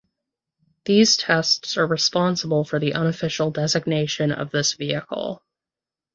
These tests are responsible for the unofficial designation of this vehicle.